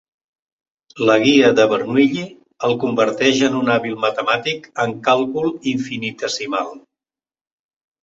La guia de Bernoulli el converteix en un hàbil matemàtic en càlcul infinitesimal.